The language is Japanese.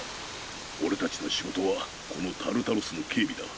俺達の仕事はこのタルタロスの警備だ。